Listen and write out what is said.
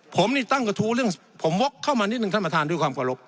ผมนี่ตั้งกระทู้เรื่องผมวกเข้ามานิดนึงท่านประธานด้วยความขอรบ